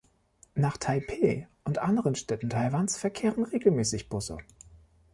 Nach Taipeh und anderen Städten Taiwans verkehren regelmäßig Busse.